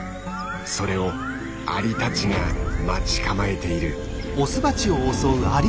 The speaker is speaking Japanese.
それをアリたちが待ち構えている。